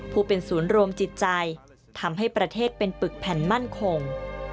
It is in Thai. ผู้เป็นศูนย์รวมจิตใจทำให้ประเทศเป็นปึกแผ่นมั่นคง